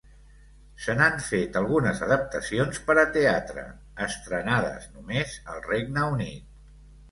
Se n'han fet algunes adaptacions per a teatre, estrenades només al Regne Unit.